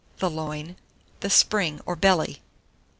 The loin. 3. The spring, or belly.